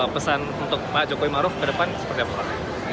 pesan untuk pak jokowi ma'ruf ke depan seperti apa